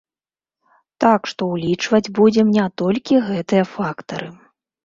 Так што ўлічваць будзем не толькі гэтыя фактары.